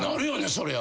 そりゃ。